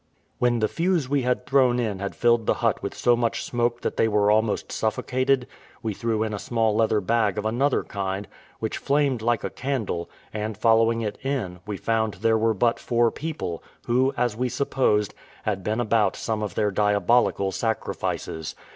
When the fuze we had thrown in had filled the hut with so much smoke that they were almost suffocated, we threw in a small leather bag of another kind, which flamed like a candle, and, following it in, we found there were but four people, who, as we supposed, had been about some of their diabolical sacrifices.